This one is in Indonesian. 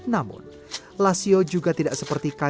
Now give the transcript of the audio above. namun lasio juga tidak seperti kaca